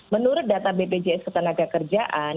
menurut data bpjs ketenagakerjaan